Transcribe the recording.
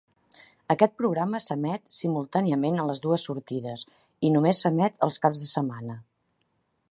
Aquest programa s'emet simultàniament a les dues sortides i només s'emet els caps de setmana.